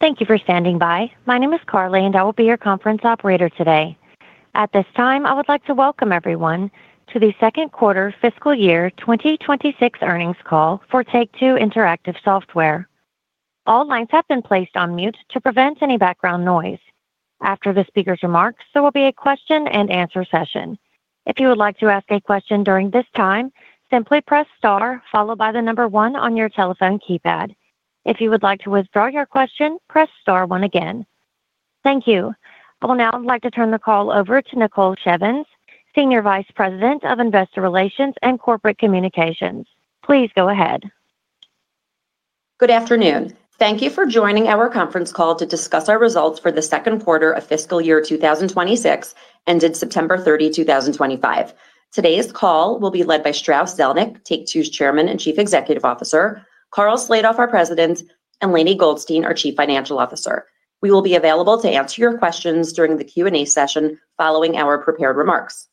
Thank you for standing by. My name is Carly, and I will be your conference operator today. At this time, I would like to welcome everyone to the second quarter fiscal year 2026 earnings call for Take-Two Interactive Software. All lines have been placed on mute to prevent any background noise. After the speaker's remarks, there will be a question and answer session. If you would like to ask a question during this time, simply press star followed by the number one on your telephone keypad. If you would like to withdraw your question, press star one again. Thank you. I will now like to turn the call over to Nicole Shevins, Senior Vice President of Investor Relations and Corporate Communications. Please go ahead. Good afternoon. Thank you for joining our conference call to discuss our results for the second quarter of fiscal year 2026 ended September 30, 2025. Today's call will be led by Strauss Zelnick, Take-Two's Chairman and Chief Executive Officer, Karl Slatoff, our President, and Lainie Goldstein, our Chief Financial Officer. We will be available to answer your questions during the Q&A session following our prepared remarks.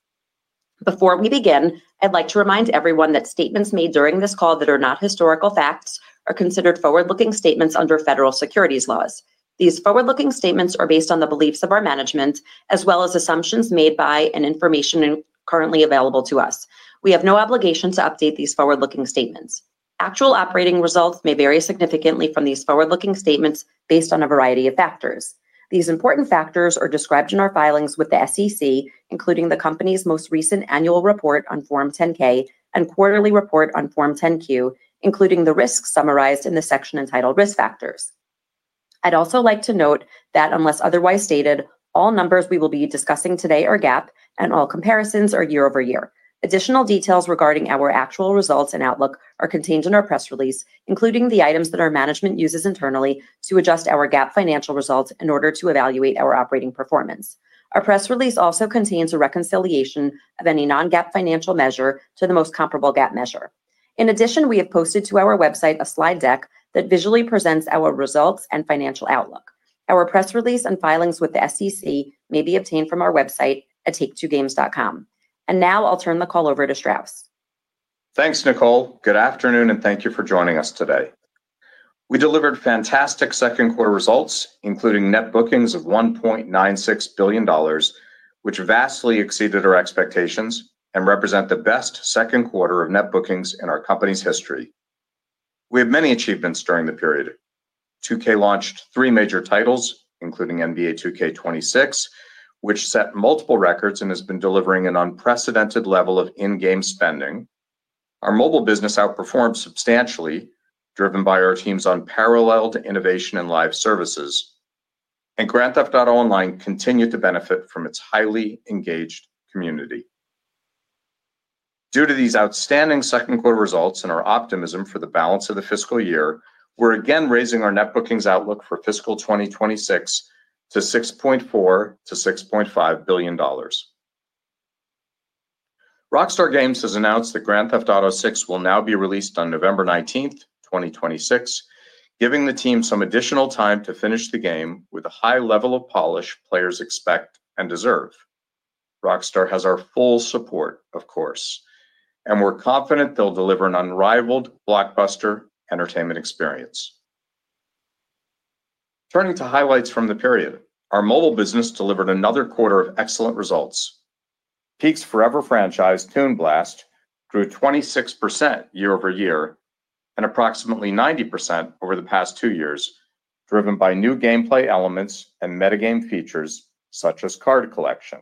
Before we begin, I'd like to remind everyone that statements made during this call that are not historical facts are considered forward-looking statements under federal securities laws. These forward-looking statements are based on the beliefs of our management as well as assumptions made by and information currently available to us. We have no obligation to update these forward-looking statements. Actual operating results may vary significantly from these forward-looking statements based on a variety of factors. These important factors are described in our filings with the SEC, including the company's most recent annual report on Form 10-K and quarterly report on Form 10-Q, including the risk summarized in the section entitled Risk Factors. I'd also like to note that, unless otherwise stated, all numbers we will be discussing today are GAAP, and all comparisons are year over year. Additional details regarding our actual results and outlook are contained in our press release, including the items that our management uses internally to adjust our GAAP financial results in order to evaluate our operating performance. Our press release also contains a reconciliation of any non-GAAP financial measure to the most comparable GAAP measure. In addition, we have posted to our website a slide deck that visually presents our results and financial outlook. Our press release and filings with the SEC may be obtained from our website at taketwogames.com. I'll turn the call over to Strauss. Thanks, Nicole. Good afternoon, and thank you for joining us today. We delivered fantastic second quarter results, including net bookings of $1.96 billion, which vastly exceeded our expectations and represent the best second quarter of net bookings in our company's history. We have many achievements during the period. 2K launched three major titles, including NBA 2K26, which set multiple records and has been delivering an unprecedented level of in-game spending. Our mobile business outperformed substantially, driven by our team's unparalleled innovation and live services. Grand Theft Auto Online continued to benefit from its highly engaged community. Due to these outstanding second quarter results and our optimism for the balance of the fiscal year, we're again raising our net bookings outlook for fiscal 2026 to $6.4-$6.5 billion. Rockstar Games has announced that Grand Theft Auto VI will now be released on November 19, 2026, giving the team some additional time to finish the game with a high level of polish players expect and deserve. Rockstar has our full support, of course, and we're confident they'll deliver an unrivaled blockbuster entertainment experience. Turning to highlights from the period, our mobile business delivered another quarter of excellent results. Peak's forever franchise, Toon Blast, grew 26% year over year and approximately 90% over the past two years, driven by new gameplay elements and meta-game features such as card collection.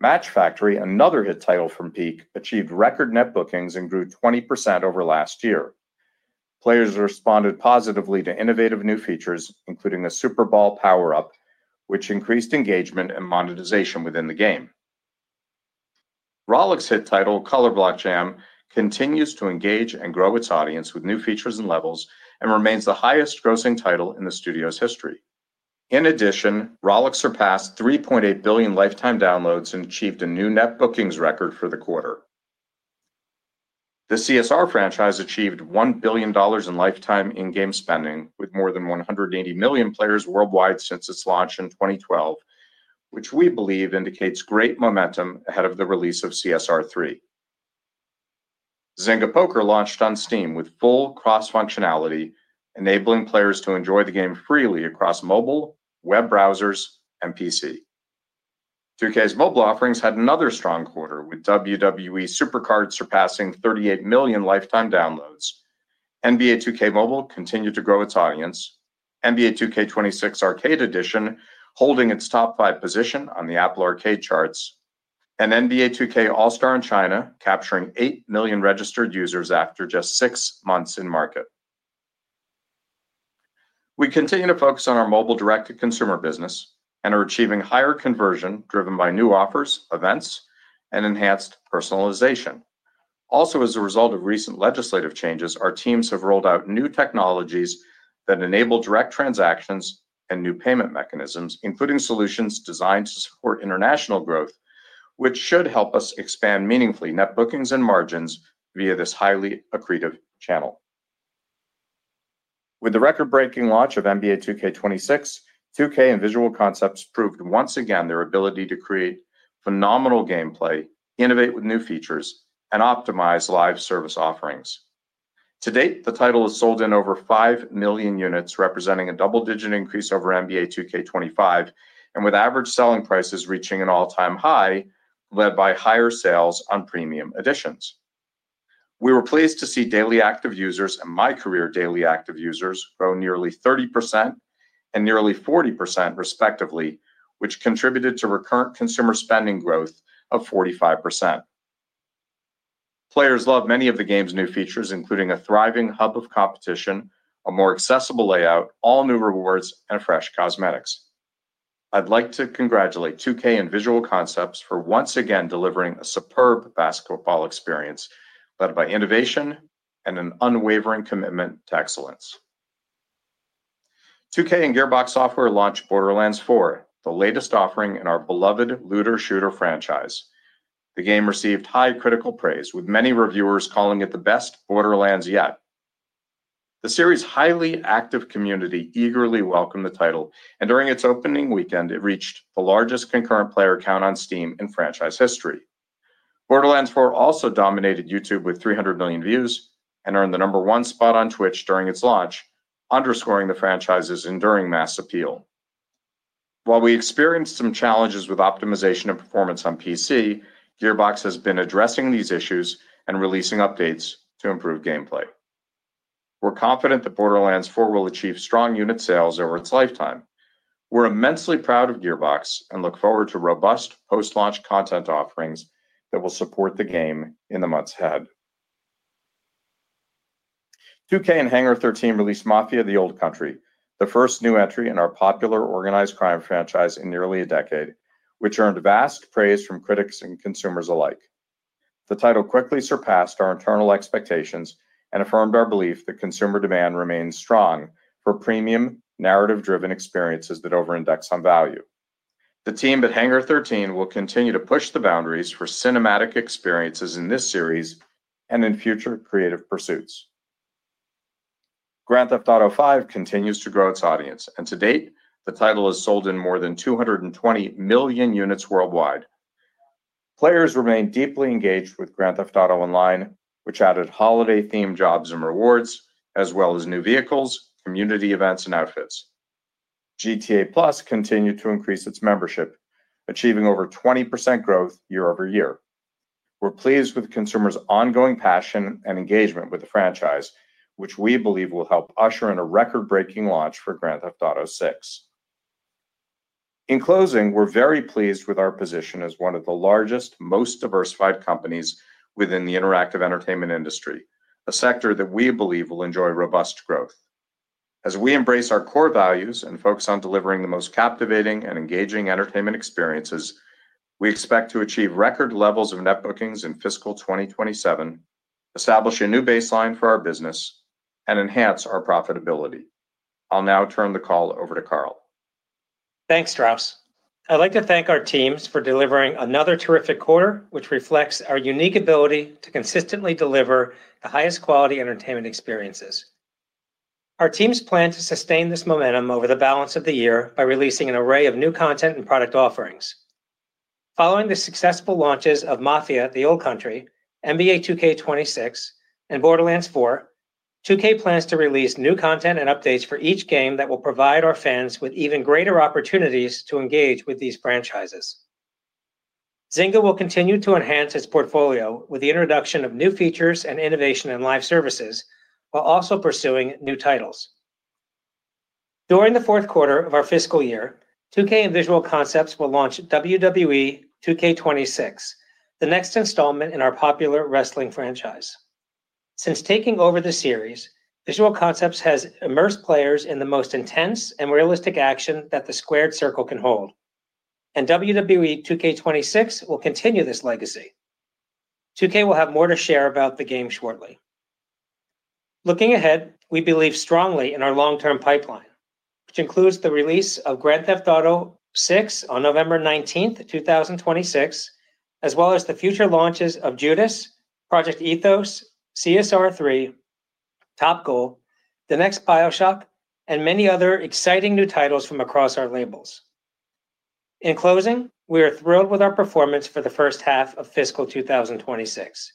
Match Factory, another hit title from Peak, achieved record net bookings and grew 20% over last year. Players responded positively to innovative new features, including a Super Bowl power-up, which increased engagement and monetization within the game. Rollic's hit title, Color Block Jam, continues to engage and grow its audience with new features and levels and remains the highest-grossing title in the studio's history. In addition, Rollic surpassed 3.8 billion lifetime downloads and achieved a new net bookings record for the quarter. The CSR franchise achieved $1 billion in lifetime in-game spending, with more than 180 million players worldwide since its launch in 2012, which we believe indicates great momentum ahead of the release of CSR 3. Zynga Poker launched on Steam with full cross-functionality, enabling players to enjoy the game freely across mobile, web browsers, and PC. 2K's mobile offerings had another strong quarter, with WWE Supercard surpassing 38 million lifetime downloads. NBA 2K Mobile continued to grow its audience. NBA 2K26 Arcade Edition holding its top five position on the Apple Arcade charts, and NBA 2K All-Star in China capturing 8 million registered users after just six months in market. We continue to focus on our mobile direct-to-consumer business and are achieving higher conversion driven by new offers, events, and enhanced personalization. Also, as a result of recent legislative changes, our teams have rolled out new technologies that enable direct transactions and new payment mechanisms, including solutions designed to support international growth, which should help us expand meaningfully net bookings and margins via this highly accretive channel. With the record-breaking launch of NBA 2K26, 2K and Visual Concepts proved once again their ability to create phenomenal gameplay, innovate with new features, and optimize live service offerings. To date, the title has sold in over 5 million units, representing a double-digit increase over NBA 2K25, and with average selling prices reaching an all-time high, led by higher sales on premium editions. We were pleased to see daily active users and MyCareer daily active users grow nearly 30% and nearly 40%, respectively, which contributed to recurrent consumer spending growth of 45%. Players love many of the game's new features, including a thriving hub of competition, a more accessible layout, all-new rewards, and fresh cosmetics. I'd like to congratulate 2K and Visual Concepts for once again delivering a superb basketball experience led by innovation and an unwavering commitment to excellence. 2K and Gearbox Software launched Borderlands 4, the latest offering in our beloved looter-shooter franchise. The game received high critical praise, with many reviewers calling it the best Borderlands yet. The series' highly active community eagerly welcomed the title, and during its opening weekend, it reached the largest concurrent player count on Steam in franchise history. Borderlands 4 also dominated YouTube with 300 million views and earned the number one spot on Twitch during its launch, underscoring the franchise's enduring mass appeal. While we experienced some challenges with optimization and performance on PC, Gearbox has been addressing these issues and releasing updates to improve gameplay. We're confident that Borderlands 4 will achieve strong unit sales over its lifetime. We're immensely proud of Gearbox and look forward to robust post-launch content offerings that will support the game in the months ahead. 2K and Hangar 13 released Mafia: The Old Country, the first new entry in our popular organized crime franchise in nearly a decade, which earned vast praise from critics and consumers alike. The title quickly surpassed our internal expectations and affirmed our belief that consumer demand remains strong for premium, narrative-driven experiences that over-index on value. The team at Hangar 13 will continue to push the boundaries for cinematic experiences in this series and in future creative pursuits. Grand Theft Auto V continues to grow its audience, and to date, the title has sold in more than 220 million units worldwide. Players remain deeply engaged with Grand Theft Auto Online, which added holiday-themed jobs and rewards, as well as new vehicles, community events, and outfits. GTA Plus continued to increase its membership, achieving over 20% growth year over year. We're pleased with consumers' ongoing passion and engagement with the franchise, which we believe will help usher in a record-breaking launch for Grand Theft Auto VI. In closing, we're very pleased with our position as one of the largest, most diversified companies within the interactive entertainment industry, a sector that we believe will enjoy robust growth. As we embrace our core values and focus on delivering the most captivating and engaging entertainment experiences, we expect to achieve record levels of net bookings in fiscal 2027, establish a new baseline for our business. We enhance our profitability. I'll now turn the call over to Karl. Thanks, Strauss. I'd like to thank our teams for delivering another terrific quarter, which reflects our unique ability to consistently deliver the highest quality entertainment experiences. Our teams plan to sustain this momentum over the balance of the year by releasing an array of new content and product offerings. Following the successful launches of Mafia: The Old Country, NBA 2K26, and Borderlands 4, 2K plans to release new content and updates for each game that will provide our fans with even greater opportunities to engage with these franchises. Zynga will continue to enhance its portfolio with the introduction of new features and innovation in live services, while also pursuing new titles. During the fourth quarter of our fiscal year, 2K and Visual Concepts will launch WWE 2K26, the next installment in our popular wrestling franchise. Since taking over the series, Visual Concepts has immersed players in the most intense and realistic action that the squared circle can hold. WWE 2K26 will continue this legacy. 2K will have more to share about the game shortly. Looking ahead, we believe strongly in our long-term pipeline, which includes the release of Grand Theft Auto VI on November 19, 2026, as well as the future launches of Judas, Project ETHOS, CSR 3, Top Golf, The Next BioShock, and many other exciting new titles from across our labels. In closing, we are thrilled with our performance for the first half of fiscal 2026.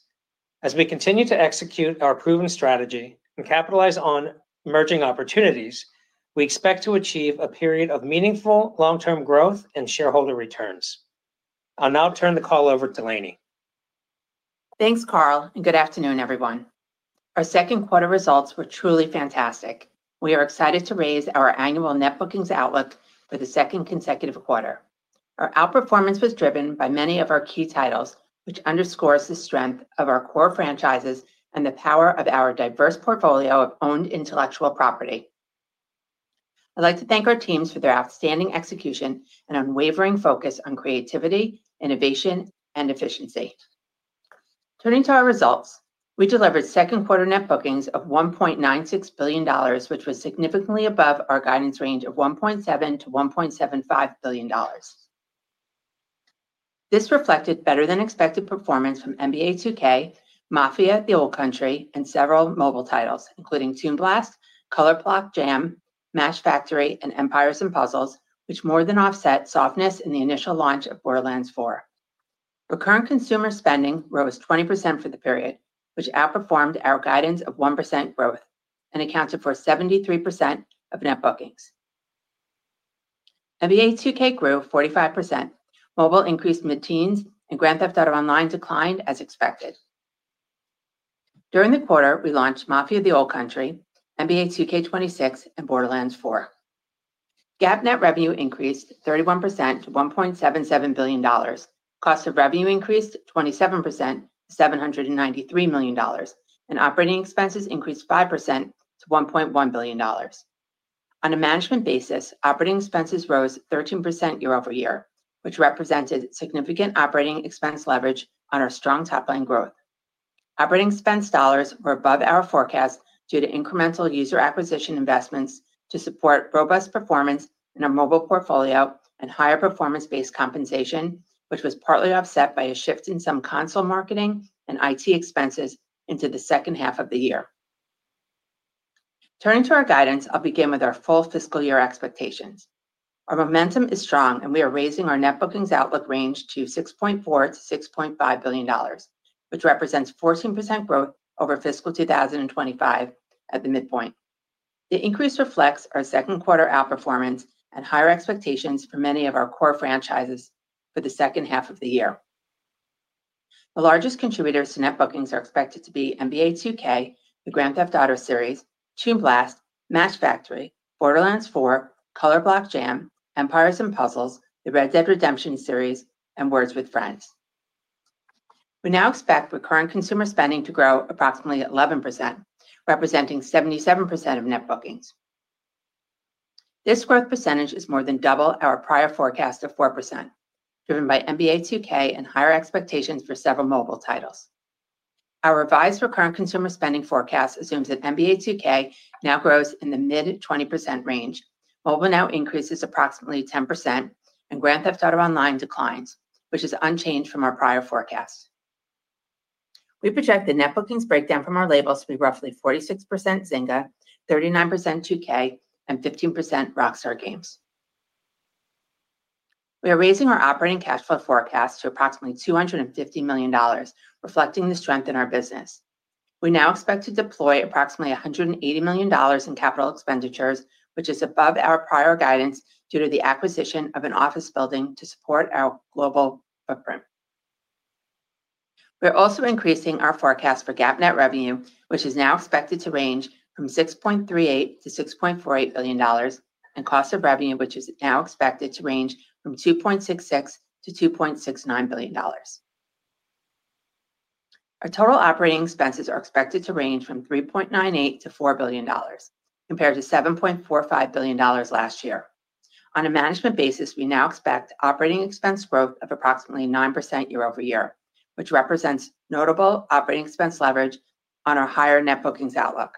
As we continue to execute our proven strategy and capitalize on emerging opportunities, we expect to achieve a period of meaningful long-term growth and shareholder returns. I'll now turn the call over to Lainie. Thanks, Karl, and good afternoon, everyone. Our second quarter results were truly fantastic. We are excited to raise our annual net bookings outlook for the second consecutive quarter. Our outperformance was driven by many of our key titles, which underscores the strength of our core franchises and the power of our diverse portfolio of owned intellectual property. I'd like to thank our teams for their outstanding execution and unwavering focus on creativity, innovation, and efficiency. Turning to our results, we delivered second quarter net bookings of $1.96 billion, which was significantly above our guidance range of $1.7-$1.75 billion. This reflected better-than-expected performance from NBA 2K, Mafia: The Old Country, and several mobile titles, including Toon Blast, Color Block Jam, Match Factory, and Empires & Puzzles, which more than offset softness in the initial launch of Borderlands 4. Recurrent consumer spending rose 20% for the period, which outperformed our guidance of 1% growth and accounted for 73% of net bookings. NBA 2K grew 45%, mobile increased mid-teens, and Grand Theft Auto Online declined as expected. During the quarter, we launched Mafia: The Old Country, NBA 2K26, and Borderlands 4. GAAP net revenue increased 31% to $1.77 billion, cost of revenue increased 27% to $793 million, and operating expenses increased 5% to $1.1 billion. On a management basis, operating expenses rose 13% year over year, which represented significant operating expense leverage on our strong top-line growth. Operating expense dollars were above our forecast due to incremental user acquisition investments to support robust performance in our mobile portfolio and higher performance-based compensation, which was partly offset by a shift in some console marketing and IT expenses into the second half of the year. Turning to our guidance, I'll begin with our full fiscal year expectations. Our momentum is strong, and we are raising our net bookings outlook range to $6.4 billion-$6.5 billion, which represents 14% growth over fiscal 2025 at the midpoint. The increase reflects our second quarter outperformance and higher expectations for many of our core franchises for the second half of the year. The largest contributors to net bookings are expected to be NBA 2K, the Grand Theft Auto series, Toon Blast, Match Factory, Borderlands 4, Color Block Jam, Empires & Puzzles, the Red Dead Redemption series, and Words With Friends. We now expect recurrent consumer spending to grow approximately 11%, representing 77% of net bookings. This growth percentage is more than double our prior forecast of 4%, driven by NBA 2K and higher expectations for several mobile titles. Our revised recurrent consumer spending forecast assumes that NBA 2K now grows in the mid-20% range, mobile now increases approximately 10%, and Grand Theft Auto Online declines, which is unchanged from our prior forecast. We project the net bookings breakdown from our labels to be roughly 46% Zynga, 39% 2K, and 15% Rockstar Games. We are raising our operating cash flow forecast to approximately $250 million, reflecting the strength in our business. We now expect to deploy approximately $180 million in capital expenditures, which is above our prior guidance due to the acquisition of an office building to support our global footprint. We are also increasing our forecast for GAAP net revenue, which is now expected to range from $6.38 billion-$6.48 billion, and cost of revenue, which is now expected to range from $2.66 billion-$2.69 billion. Our total operating expenses are expected to range from $3.98-$4 billion, compared to $7.45 billion last year. On a management basis, we now expect operating expense growth of approximately 9% year over year, which represents notable operating expense leverage on our higher net bookings outlook.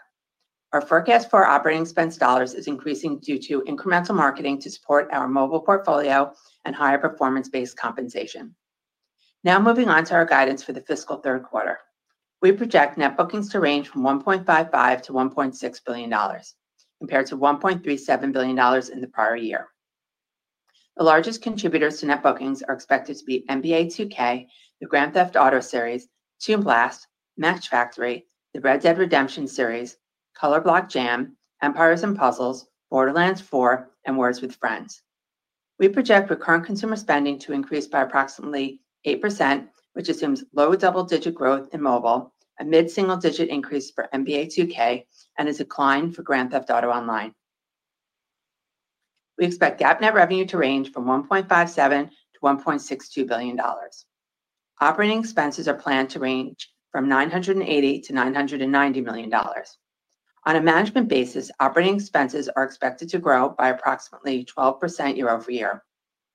Our forecast for operating expense dollars is increasing due to incremental marketing to support our mobile portfolio and higher performance-based compensation. Now moving on to our guidance for the fiscal third quarter, we project net bookings to range from $1.55-$1.6 billion, compared to $1.37 billion in the prior year. The largest contributors to net bookings are expected to be NBA 2K, the Grand Theft Auto series, Toon Blast, Match Factory, the Red Dead Redemption series, Color Block Jam, Empires & Puzzles, Borderlands 4, and Words With Friends. We project recurrent consumer spending to increase by approximately 8%, which assumes low double-digit growth in mobile, a mid-single-digit increase for NBA 2K, and a decline for Grand Theft Auto Online. We expect GAAP net revenue to range from $1.57-$1.62 billion. Operating expenses are planned to range from $980-$990 million. On a management basis, operating expenses are expected to grow by approximately 12% year over year,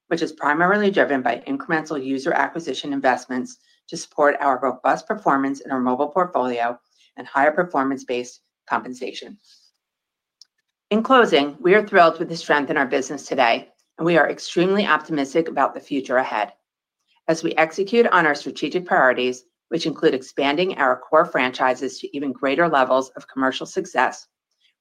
which is primarily driven by incremental user acquisition investments to support our robust performance in our mobile portfolio and higher performance-based compensation. In closing, we are thrilled with the strength in our business today, and we are extremely optimistic about the future ahead. As we execute on our strategic priorities, which include expanding our core franchises to even greater levels of commercial success,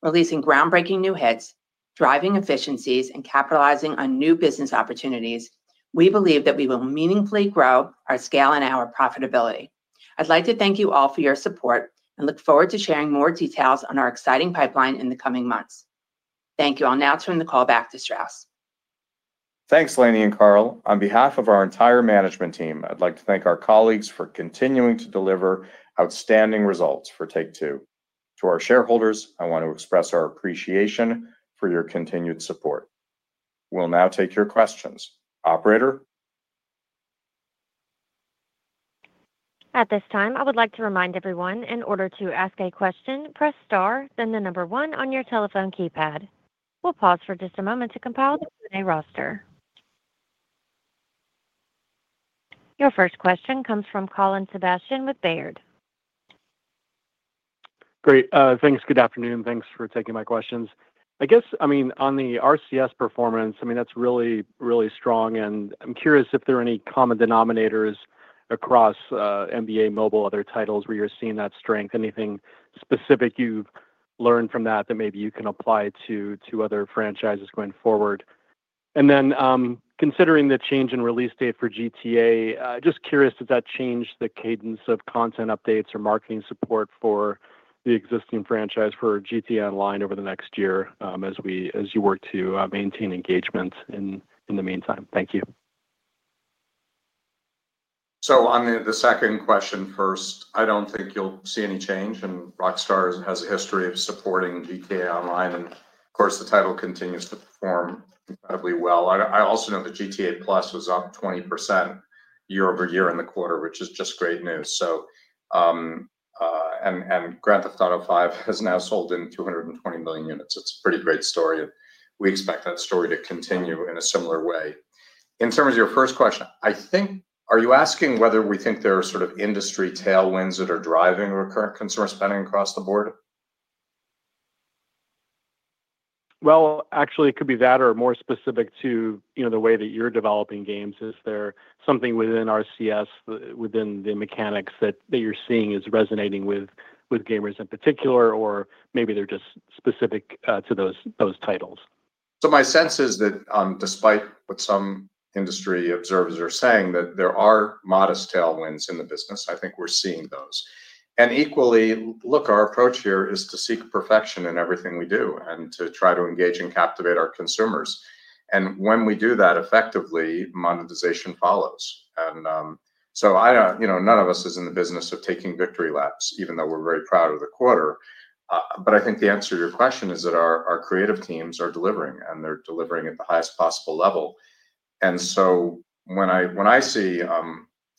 releasing groundbreaking new hits, driving efficiencies, and capitalizing on new business opportunities, we believe that we will meaningfully grow our scale and our profitability. I'd like to thank you all for your support and look forward to sharing more details on our exciting pipeline in the coming months. Thank you. I'll now turn the call back to Strauss. Thanks, Lainie and Karl. On behalf of our entire management team, I'd like to thank our colleagues for continuing to deliver outstanding results for Take-Two. To our shareholders, I want to express our appreciation for your continued support. We'll now take your questions. Operator. At this time, I would like to remind everyone, in order to ask a question, press Star, then the number one on your telephone keypad. We'll pause for just a moment to compile the Q&A roster. Your first question comes from Colin Sebastian with Baird. Great. Thanks. Good afternoon. Thanks for taking my questions. I guess, I mean, on the RCS performance, I mean, that's really, really strong. I'm curious if there are any common denominators across NBA mobile other titles where you're seeing that strength, anything specific you've learned from that that maybe you can apply to other franchises going forward. Considering the change in release date for GTA, just curious, does that change the cadence of content updates or marketing support for the existing franchise for GTA Online over the next year as you work to maintain engagement in the meantime? Thank you. On the second question first, I do not think you will see any change. Rockstar has a history of supporting GTA Online. Of course, the title continues to perform incredibly well. I also know that GTA Plus was up 20% year over year in the quarter, which is just great news. Grand Theft Auto V has now sold in 220 million units. It is a pretty great story. We expect that story to continue in a similar way. In terms of your first question, I think, are you asking whether we think there are sort of industry tailwinds that are driving recurrent consumer spending across the board? Actually, it could be that or more specific to the way that you're developing games. Is there something within RCS, within the mechanics that you're seeing is resonating with gamers in particular, or maybe they're just specific to those titles? My sense is that despite what some industry observers are saying, that there are modest tailwinds in the business. I think we're seeing those. Equally, look, our approach here is to seek perfection in everything we do and to try to engage and captivate our consumers. When we do that effectively, monetization follows. None of us is in the business of taking victory laps, even though we're very proud of the quarter. I think the answer to your question is that our creative teams are delivering, and they're delivering at the highest possible level. When I see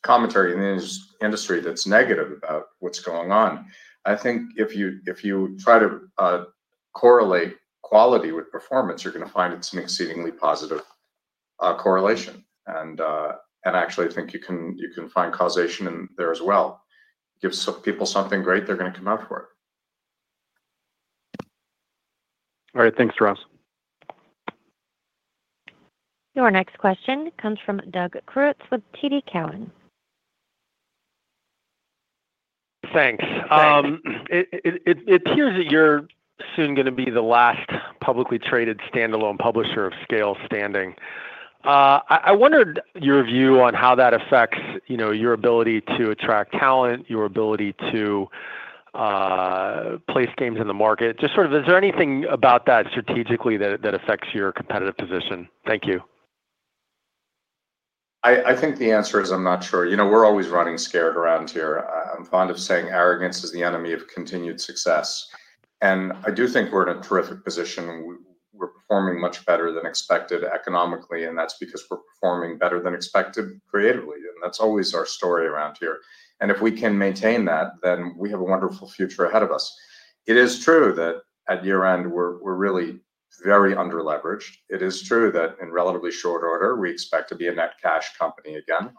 commentary in the industry that's negative about what's going on, I think if you try to correlate quality with performance, you're going to find it's an exceedingly positive correlation. Actually, I think you can find causation in there as well. Give people something great, they're going to come out for it. All right. Thanks, Strauss. Your next question comes from Doug Creutz with TD Cowen. Thanks. It appears that you're soon going to be the last publicly traded standalone publisher of scale standing. I wondered your view on how that affects your ability to attract talent, your ability to place games in the market. Just sort of, is there anything about that strategically that affects your competitive position? Thank you. I think the answer is I'm not sure. We're always running scared around here. I'm fond of saying arrogance is the enemy of continued success. I do think we're in a terrific position. We're performing much better than expected economically, and that's because we're performing better than expected creatively. That's always our story around here. If we can maintain that, then we have a wonderful future ahead of us. It is true that at year-end, we're really very under-leveraged. It is true that in relatively short order, we expect to be a net cash company again.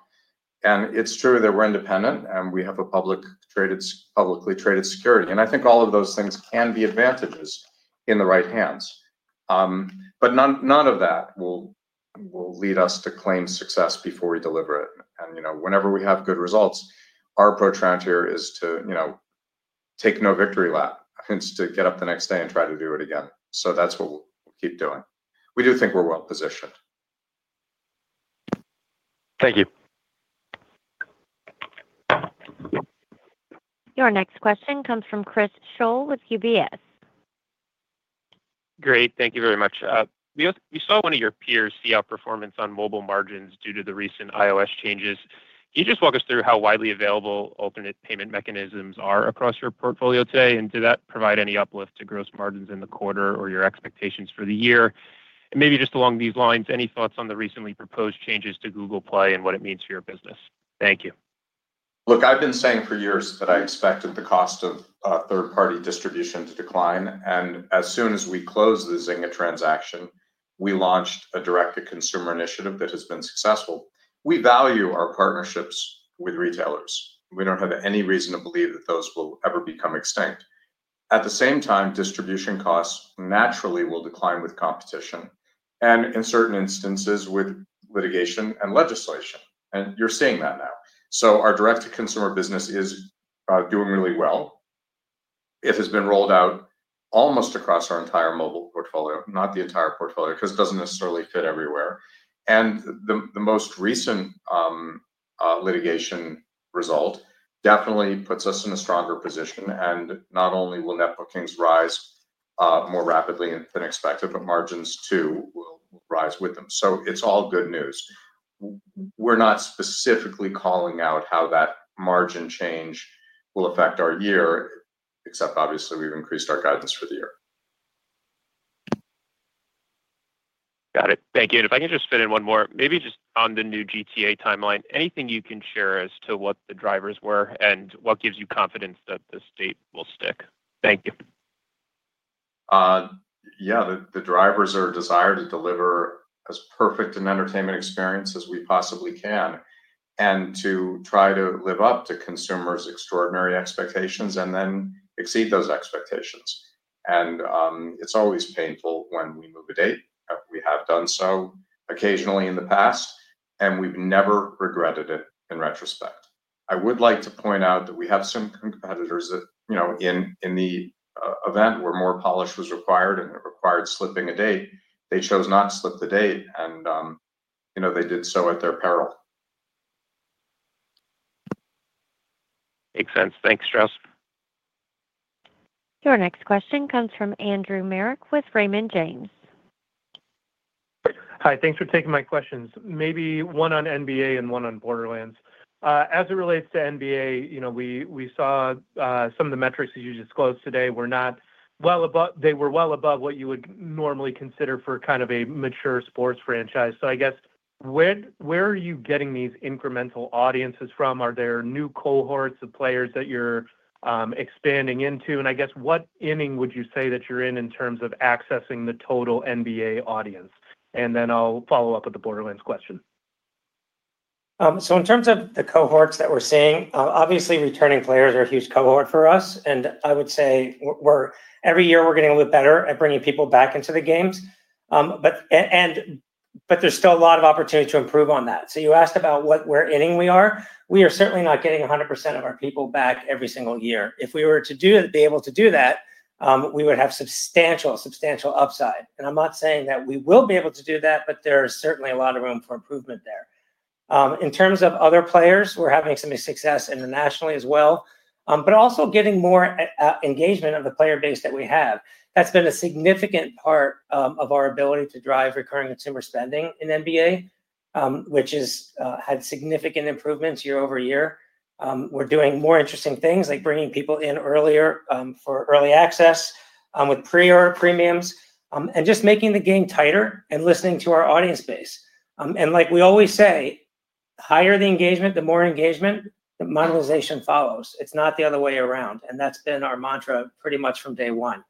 It's true that we're independent and we have a publicly traded security. I think all of those things can be advantages in the right hands. None of that will lead us to claim success before we deliver it. Whenever we have good results, our approach around here is to take no victory lap, hence to get up the next day and try to do it again. That is what we will keep doing. We do think we are well positioned. Thank you. Your next question comes from Chris Schoell with UBS. Great. Thank you very much. You saw one of your peers see outperformance on mobile margins due to the recent iOS changes. Can you just walk us through how widely available alternate payment mechanisms are across your portfolio today? Did that provide any uplift to gross margins in the quarter or your expectations for the year? Maybe just along these lines, any thoughts on the recently proposed changes to Google Play and what it means for your business? Thank you. Look, I've been saying for years that I expected the cost of third-party distribution to decline. As soon as we closed the Zynga transaction, we launched a direct-to-consumer initiative that has been successful. We value our partnerships with retailers. We do not have any reason to believe that those will ever become extinct. At the same time, distribution costs naturally will decline with competition and in certain instances with litigation and legislation. You are seeing that now. Our direct-to-consumer business is doing really well. It has been rolled out almost across our entire mobile portfolio, not the entire portfolio, because it does not necessarily fit everywhere. The most recent litigation result definitely puts us in a stronger position. Not only will net bookings rise more rapidly than expected, but margins too will rise with them. It is all good news. We're not specifically calling out how that margin change will affect our year, except obviously we've increased our guidance for the year. Got it. Thank you. If I can just fit in one more, maybe just on the new GTA timeline, anything you can share as to what the drivers were and what gives you confidence that the date will stick? Thank you. Yeah. The drivers are desire to deliver as perfect an entertainment experience as we possibly can and to try to live up to consumers' extraordinary expectations and then exceed those expectations. It is always painful when we move a date. We have done so occasionally in the past, and we have never regretted it in retrospect. I would like to point out that we have some competitors that in the event where more polish was required and it required slipping a date, they chose not to slip the date, and they did so at their peril. Makes sense. Thanks, Strauss. Your next question comes from Andrew Marok with Raymond James. Hi. Thanks for taking my questions. Maybe one on NBA and one on Borderlands. As it relates to NBA, we saw some of the metrics that you disclosed today were well above what you would normally consider for kind of a mature sports franchise. I guess, where are you getting these incremental audiences from? Are there new cohorts of players that you're expanding into? I guess, what inning would you say that you're in in terms of accessing the total NBA audience? I'll follow up with the Borderlands question. In terms of the cohorts that we're seeing, obviously, returning players are a huge cohort for us. I would say every year we're getting a little bit better at bringing people back into the games. There is still a lot of opportunities to improve on that. You asked about what inning we are. We are certainly not getting 100% of our people back every single year. If we were to be able to do that, we would have substantial, substantial upside. I'm not saying that we will be able to do that, but there is certainly a lot of room for improvement there. In terms of other players, we're having some success internationally as well, but also getting more engagement of the player base that we have. That's been a significant part of our ability to drive recurring consumer spending in NBA, which has had significant improvements year over year. We're doing more interesting things like bringing people in earlier for early access with pre-auth premiums and just making the game tighter and listening to our audience base. Like we always say, the higher the engagement, the more engagement, the monetization follows. It's not the other way around. That's been our mantra pretty much from day one.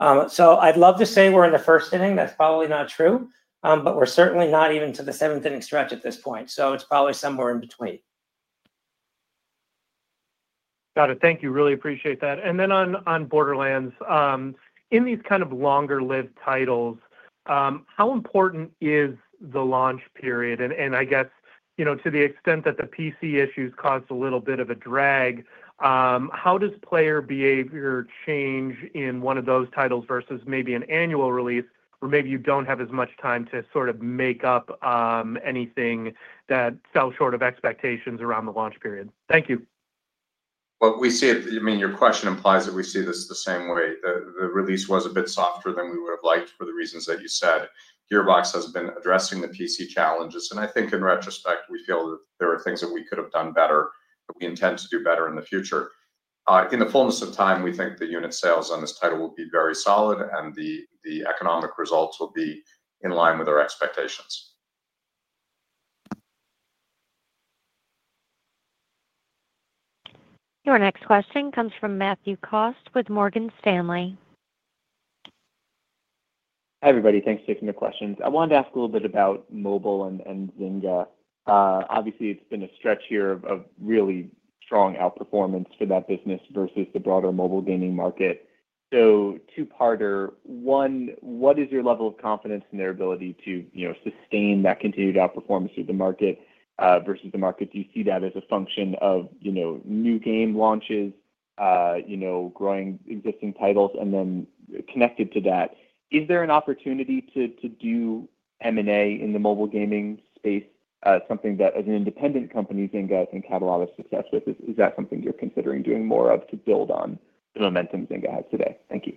I'd love to say we're in the first inning. That's probably not true, but we're certainly not even to the seventh inning stretch at this point. It's probably somewhere in between. Got it. Thank you. Really appreciate that. Then on Borderlands, in these kind of longer-lived titles, how important is the launch period? I guess to the extent that the PC issues caused a little bit of a drag, how does player behavior change in one of those titles versus maybe an annual release where maybe you do not have as much time to sort of make up anything that fell short of expectations around the launch period? Thank you. We see it. I mean, your question implies that we see this the same way. The release was a bit softer than we would have liked for the reasons that you said. Gearbox has been addressing the PC challenges. I think in retrospect, we feel that there are things that we could have done better that we intend to do better in the future. In the fullness of time, we think the unit sales on this title will be very solid, and the economic results will be in line with our expectations. Your next question comes from Matthew Cost with Morgan Stanley. Hi, everybody. Thanks for taking the questions. I wanted to ask a little bit about mobile and Zynga. Obviously, it's been a stretch here of really strong outperformance for that business versus the broader mobile gaming market. Two-parter. One, what is your level of confidence in their ability to sustain that continued outperformance through the market versus the market? Do you see that as a function of new game launches, growing existing titles? Connected to that, is there an opportunity to do M&A in the mobile gaming space, something that as an independent company, Zynga has had a lot of success with? Is that something you're considering doing more of to build on the momentum Zynga has today? Thank you.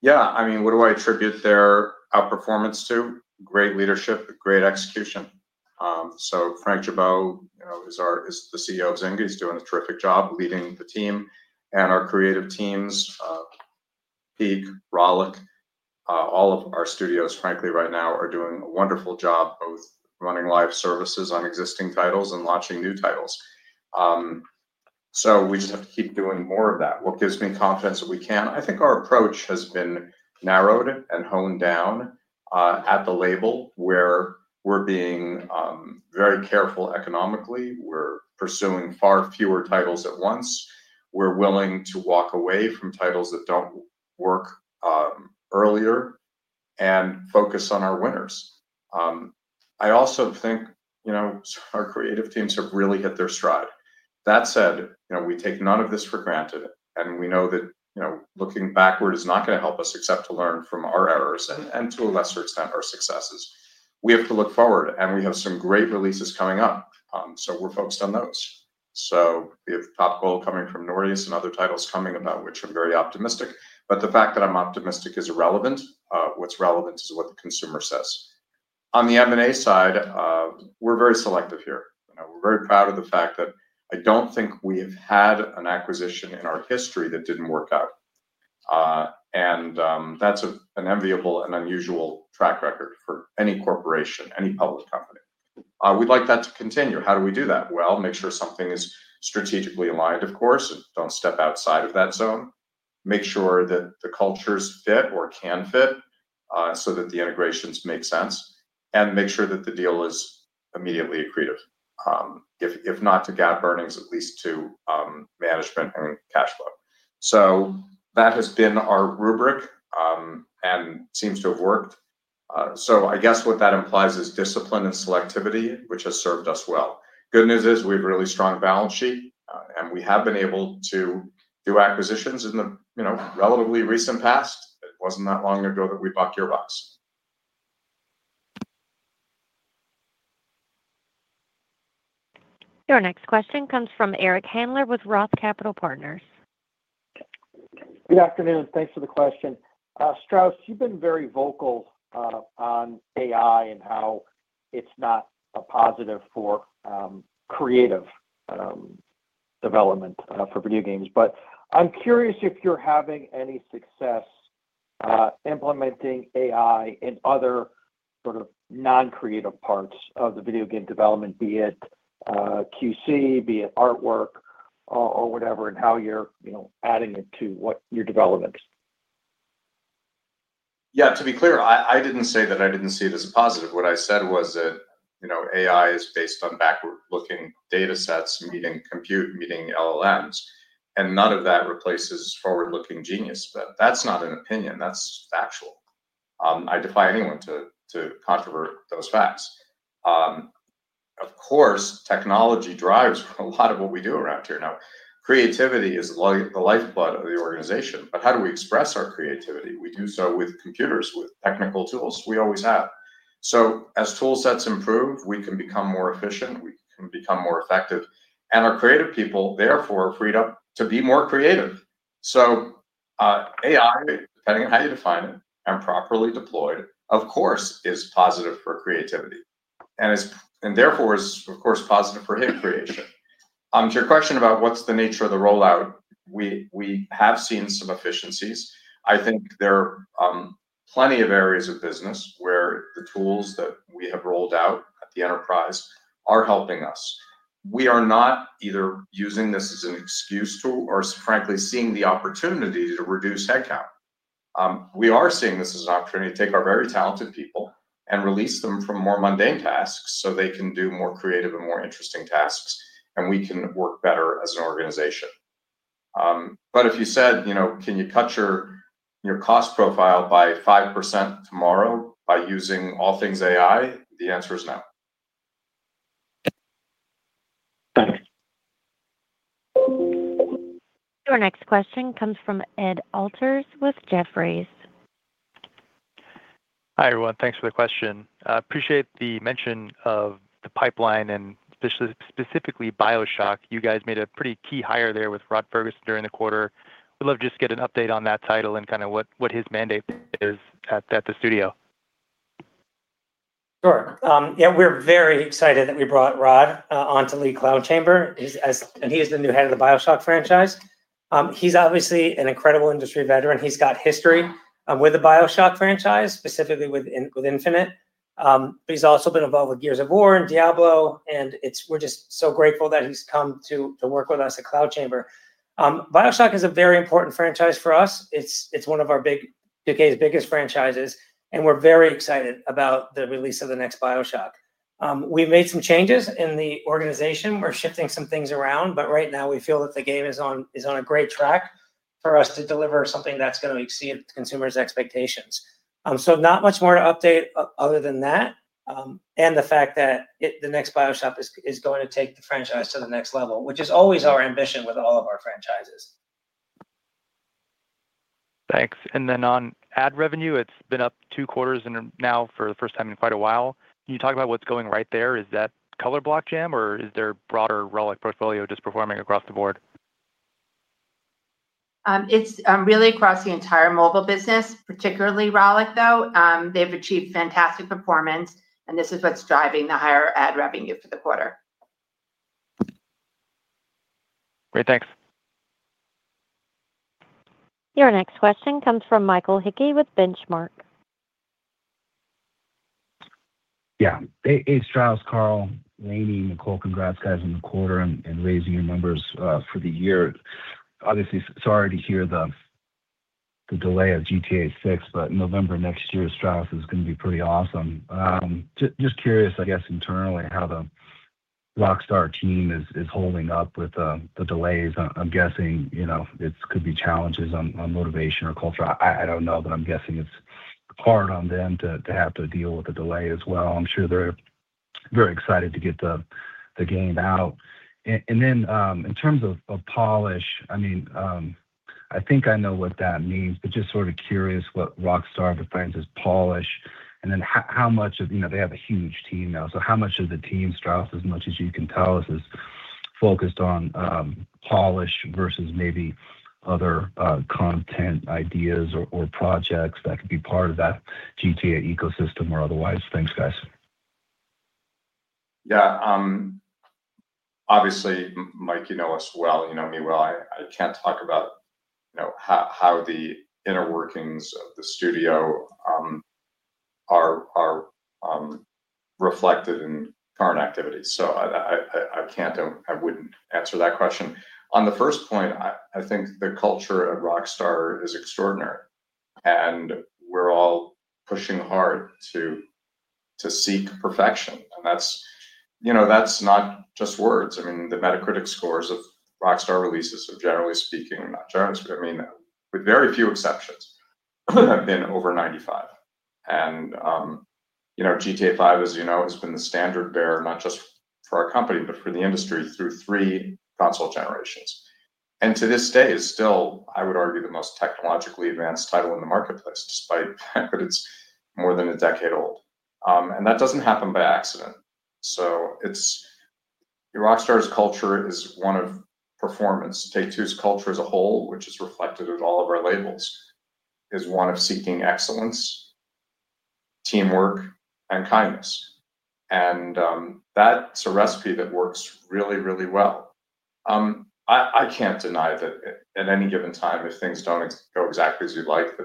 Yeah. I mean, what do I attribute their outperformance to? Great leadership, great execution. So Frank Gibeau is the CEO of Zynga. He's doing a terrific job leading the team. And our creative teams. Peak, Rollic. All of our studios, frankly, right now are doing a wonderful job, both running live services on existing titles and launching new titles. We just have to keep doing more of that. What gives me confidence that we can? I think our approach has been narrowed and honed down. At the label where we're being very careful economically. We're pursuing far fewer titles at once. We're willing to walk away from titles that do not work earlier and focus on our winners. I also think our creative teams have really hit their stride. That said, we take none of this for granted. We know that looking backward is not going to help us except to learn from our errors and to a lesser extent our successes. We have to look forward, and we have some great releases coming up. We are focused on those. We have Top Golf coming from Nordeus and other titles coming about, which I am very optimistic. The fact that I am optimistic is irrelevant. What is relevant is what the consumer says. On the M&A side, we are very selective here. We are very proud of the fact that I do not think we have had an acquisition in our history that did not work out. That is an enviable and unusual track record for any corporation, any public company. We would like that to continue. How do we do that? Make sure something is strategically aligned, of course, and do not step outside of that zone. Make sure that the cultures fit or can fit so that the integrations make sense. Make sure that the deal is immediately accretive. If not to GAAP earnings, at least to management and cash flow. That has been our rubric and seems to have worked. I guess what that implies is discipline and selectivity, which has served us well. The good news is we have a really strong balance sheet, and we have been able to do acquisitions in the relatively recent past. It was not that long ago that we bought Gearbox. Your next question comes from Eric Handler with Roth Capital Partners. Good afternoon. Thanks for the question. Strauss, you've been very vocal on AI and how it's not a positive for creative development for video games. I'm curious if you're having any success implementing AI in other sort of non-creative parts of the video game development, be it QC, be it artwork, or whatever, and how you're adding it to what your development. Yeah. To be clear, I did not say that I did not see it as a positive. What I said was that AI is based on backward-looking data sets, meaning compute, meaning LLMs. None of that replaces forward-looking genius. That is not an opinion. That is factual. I defy anyone to controvert those facts. Of course, technology drives a lot of what we do around here. Creativity is the lifeblood of the organization. How do we express our creativity? We do so with computers, with technical tools. We always have. As toolsets improve, we can become more efficient. We can become more effective. Our creative people, therefore, are freed up to be more creative. AI, depending on how you define it and properly deployed, of course, is positive for creativity. Therefore, it is, of course, positive for hit creation. To your question about what's the nature of the rollout, we have seen some efficiencies. I think there are plenty of areas of business where the tools that we have rolled out at the enterprise are helping us. We are not either using this as an excuse or, frankly, seeing the opportunity to reduce headcount. We are seeing this as an opportunity to take our very talented people and release them from more mundane tasks so they can do more creative and more interesting tasks, and we can work better as an organization. If you said, "Can you cut your cost profile by 5% tomorrow by using all things AI?" the answer is no. Thanks. Your next question comes from Ed Alter with Jefferies. Hi everyone. Thanks for the question. Appreciate the mention of the pipeline and specifically BioShock. You guys made a pretty key hire there with Rod Ferguson during the quarter. We'd love to just get an update on that title and kind of what his mandate is at the studio. Sure. Yeah. We're very excited that we brought Rod onto lead Cloud Chamber. He is the new head of the BioShock franchise. He's obviously an incredible industry veteran. He's got history with the BioShock franchise, specifically with Infinite. He's also been involved with Gears of War and Diablo. We're just so grateful that he's come to work with us at Cloud Chamber. BioShock is a very important franchise for us. It's one of our biggest franchises. We're very excited about the release of the next BioShock. We've made some changes in the organization. We're shifting some things around. Right now, we feel that the game is on a great track for us to deliver something that's going to exceed consumers' expectations. Not much more to update other than that. The fact that the next BioShock is going to take the franchise to the next level, which is always our ambition with all of our franchises. Thanks. On ad revenue, it has been up two quarters now for the first time in quite a while. Can you talk about what is going right there? Is that Color Block Jam, or is there a broader Rollic portfolio just performing across the board? Really across the entire mobile business, particularly Rollic, though. They've achieved fantastic performance. This is what's driving the higher ad revenue for the quarter. Great. Thanks. Your next question comes from Mike Hickey with Benchmark. Yeah. Hey, Strauss, Karl, Lainie, Nicole, congrats guys on the quarter and raising your numbers for the year. Obviously, sorry to hear the delay of GTA 6, but November next year, Strauss, is going to be pretty awesome. Just curious, I guess, internally how the Rockstar team is holding up with the delays. I'm guessing it could be challenges on motivation or culture. I don't know, but I'm guessing it's hard on them to have to deal with the delay as well. I'm sure they're very excited to get the game out. In terms of polish, I mean, I think I know what that means, but just sort of curious what Rockstar defines as polish. How much of, they have a huge team now, so how much of the team, Strauss, as much as you can tell us, is focused on polish versus maybe other. Content ideas or projects that could be part of that GTA ecosystem or otherwise? Thanks, guys. Yeah. Obviously, Mike, you know us well, you know me well. I can't talk about how the inner workings of the studio are reflected in current activities. So I can't and I wouldn't answer that question. On the first point, I think the culture at Rockstar is extraordinary. And we're all pushing hard to seek perfection. And that's not just words. I mean, the Metacritic scores of Rockstar releases are generally speaking, not generally speaking, I mean, with very few exceptions, have been over 95. And GTA 5, as you know, has been the standard bearer not just for our company, but for the industry through three console generations. And to this day is still, I would argue, the most technologically advanced title in the marketplace, despite the fact that it's more than a decade old. And that doesn't happen by accident. So Rockstar's culture is one of performance. Take-Two's culture as a whole, which is reflected in all of our labels, is one of seeking excellence, teamwork, and kindness. That is a recipe that works really, really well. I cannot deny that at any given time, if things do not go exactly as you would like,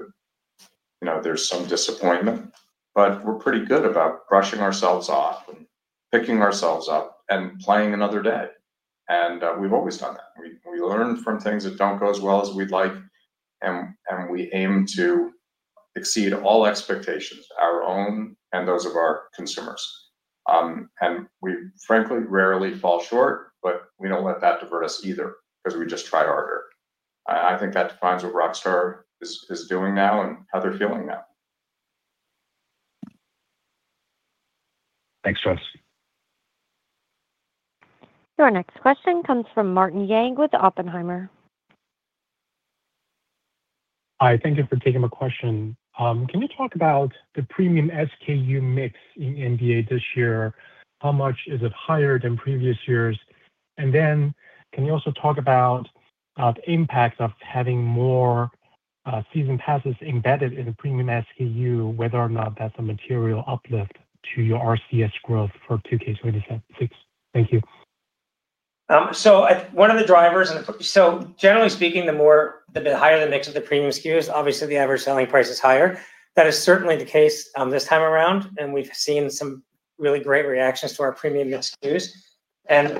there is some disappointment. We are pretty good about brushing ourselves off and picking ourselves up and playing another day. We have always done that. We learn from things that do not go as well as we would like, and we aim to exceed all expectations, our own and those of our consumers. We, frankly, rarely fall short, but we do not let that divert us either because we just try harder. I think that defines what Rockstar is doing now and how they are feeling now. Thanks, Strauss. Your next question comes from Martin Yang with Oppenheimer. Hi. Thank you for taking my question. Can you talk about the premium SKU mix in NBA this year? How much is it higher than previous years? Can you also talk about the impact of having more season passes embedded in the premium SKU, whether or not that's a material uplift to your RCS growth for 2K26? Thank you. One of the drivers, and generally speaking, the higher the mix of the premium SKUs, obviously the average selling price is higher. That is certainly the case this time around. We have seen some really great reactions to our premium SKUs.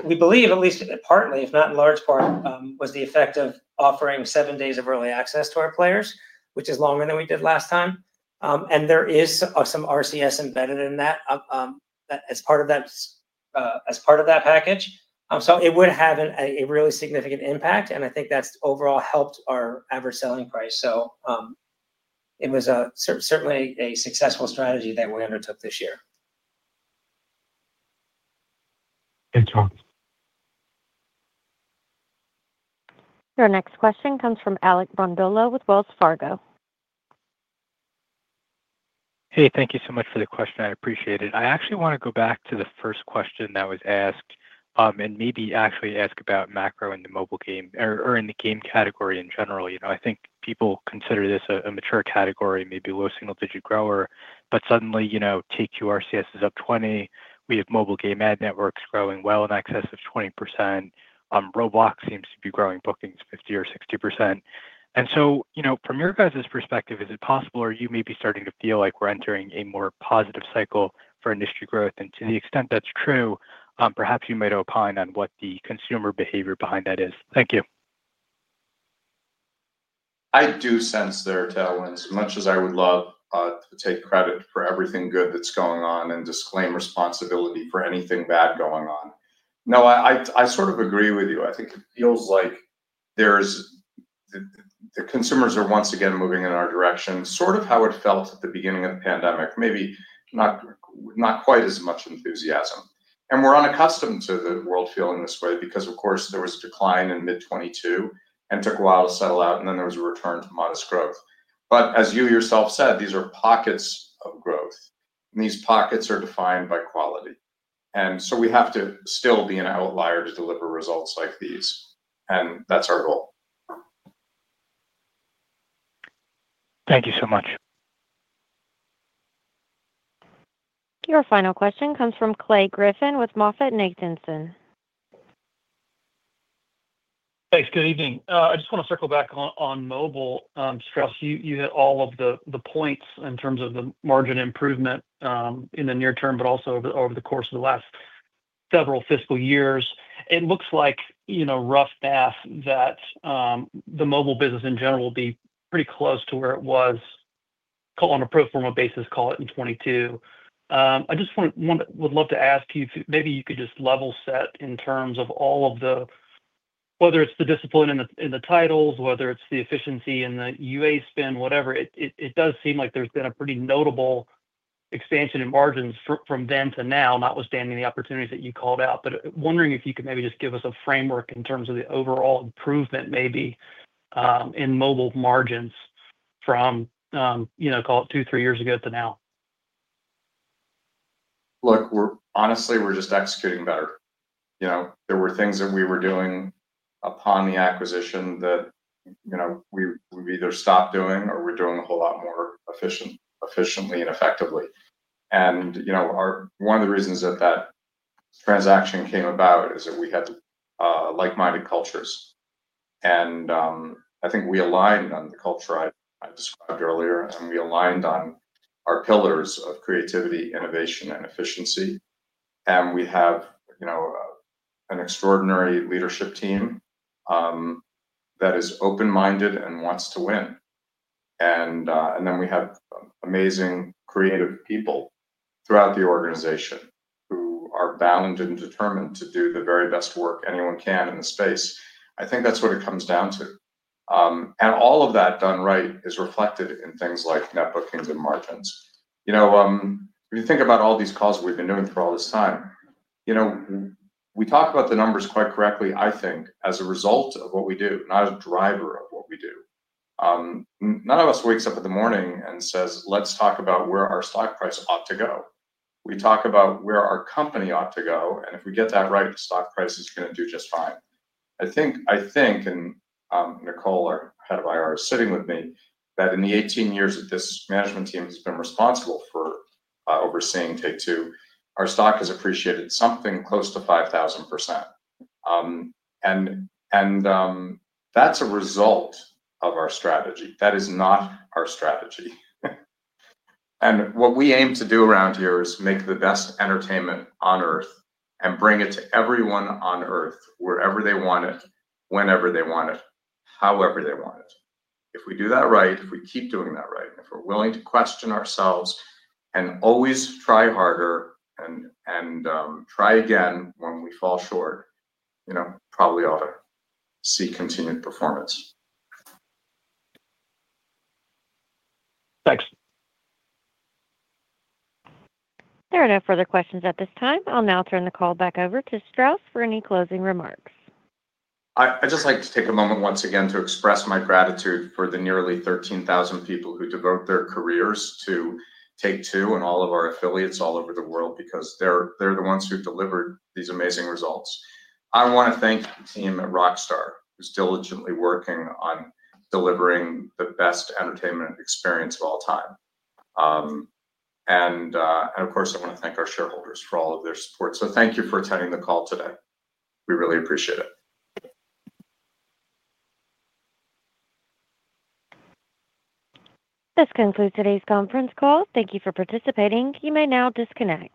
We believe, at least partly, if not in large part, it was the effect of offering seven days of early access to our players, which is longer than we did last time. There is some RCS embedded in that as part of that package. It would have a really significant impact. I think that has overall helped our average selling price. It was certainly a successful strategy that we undertook this year. Good talk. Your next question comes from Alec Brondolo with Wells Fargo. Hey, thank you so much for the question. I appreciate it. I actually want to go back to the first question that was asked and maybe actually ask about macro in the mobile game or in the game category in general. I think people consider this a mature category, maybe low single-digit grower, but suddenly TQRCS is up 20%. We have mobile game ad networks growing well in excess of 20%. Roblox seems to be growing bookings 50% or 60%. From your guys' perspective, is it possible or are you maybe starting to feel like we're entering a more positive cycle for industry growth? To the extent that's true, perhaps you might opine on what the consumer behavior behind that is. Thank you. I do sense there a tailwind, as much as I would love to take credit for everything good that's going on and disclaim responsibility for anything bad going on. No, I sort of agree with you. I think it feels like there's. The consumers are once again moving in our direction, sort of how it felt at the beginning of the pandemic, maybe not quite as much enthusiasm. We are unaccustomed to the world feeling this way because, of course, there was a decline in mid-2022 and took a while to settle out, and then there was a return to modest growth. As you yourself said, these are pockets of growth. These pockets are defined by quality. We have to still be an outlier to deliver results like these. That is our goal. Thank you so much. Your final question comes from Clay Griffin with MoffettNathanson. Thanks. Good evening. I just want to circle back on mobile. Strauss, you hit all of the points in terms of the margin improvement in the near term, but also over the course of the last several fiscal years. It looks like, rough math, that the mobile business in general will be pretty close to where it was, call on a pro forma basis, call it in 2022. I just would love to ask you if maybe you could just level set in terms of all of the, whether it's the discipline in the titles, whether it's the efficiency in the UA spend, whatever. It does seem like there's been a pretty notable expansion in margins from then to now, notwithstanding the opportunities that you called out. Wondering if you could maybe just give us a framework in terms of the overall improvement, maybe, in mobile margins from. Call it two, three years ago to now. Look, honestly, we're just executing better. There were things that we were doing upon the acquisition that we've either stopped doing or we're doing a whole lot more efficiently and effectively. One of the reasons that transaction came about is that we had like-minded cultures. I think we aligned on the culture I described earlier, and we aligned on our pillars of creativity, innovation, and efficiency. We have an extraordinary leadership team that is open-minded and wants to win. We have amazing creative people throughout the organization who are bound and determined to do the very best work anyone can in the space. I think that's what it comes down to. All of that done right is reflected in things like net bookings and margins. If you think about all these calls we've been doing for all this time. We talk about the numbers quite correctly, I think, as a result of what we do, not a driver of what we do. None of us wakes up in the morning and says, "Let's talk about where our stock price ought to go." We talk about where our company ought to go. If we get that right, the stock price is going to do just fine, I think. Nicole, our head of IR, is sitting with me that in the 18 years that this management team has been responsible for overseeing Take-Two, our stock has appreciated something close to 5,000%. That is a result of our strategy. That is not our strategy. What we aim to do around here is make the best entertainment on earth and bring it to everyone on earth, wherever they want it, whenever they want it, however they want it. If we do that right, if we keep doing that right, and if we're willing to question ourselves and always try harder and try again when we fall short, probably ought to see continued performance. Thanks. There are no further questions at this time. I'll now turn the call back over to Strauss for any closing remarks. I'd just like to take a moment once again to express my gratitude for the nearly 13,000 people who devoted their careers to Take-Two and all of our affiliates all over the world because they're the ones who delivered these amazing results. I want to thank the team at Rockstar who's diligently working on delivering the best entertainment experience of all time. I want to thank our shareholders for all of their support. Thank you for attending the call today. We really appreciate it. This concludes today's conference call. Thank you for participating. You may now disconnect.